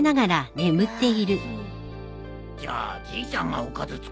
じゃあじいちゃんがおかず作るのか？